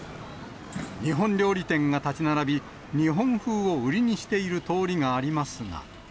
日本料理店が建ち並び、日本風を売りにしている通りがありますが。